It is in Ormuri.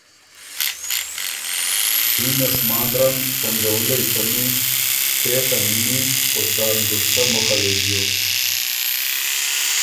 شینه سماندرنګ ټنګَوُلئ څمي، تېڒه نِنی او څار نګشتۀ مُخه وې بیوک۔